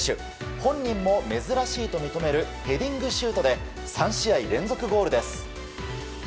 本人も珍しいと認めるヘディングシュートで３試合連続ゴールです。